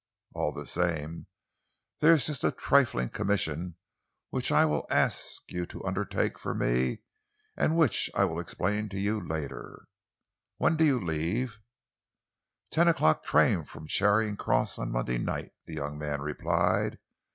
All the same, there is just a trifling commission which I will ask you to undertake for me, and which I will explain to you later. When do you leave?" "Ten o'clock train from Charing Cross on Monday night," the young man replied.